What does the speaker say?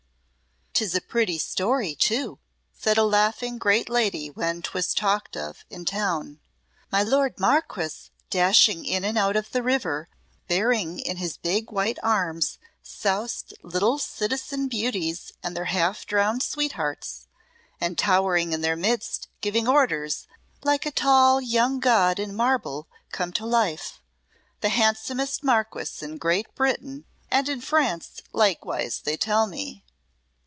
"'Tis a pretty story, too," said a laughing great lady when 'twas talked of in town. "My lord Marquess dashing in and out of the river, bearing in his big white arms soused little citizen beauties and their half drowned sweethearts, and towering in their midst giving orders like a tall young god in marble come to life. The handsomest Marquess in Great Britain, and in France likewise, they tell me."